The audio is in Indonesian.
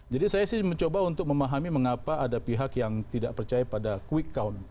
jadi saya sih mencoba untuk memahami mengapa ada pihak yang tidak percaya pada quick count